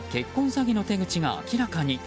詐欺の手口が明らかに。